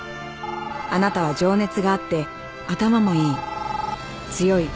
「あなたは情熱があって頭もいい」